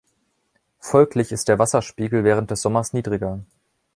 Folglich ist der Wasserspiegel während des Sommers niedriger.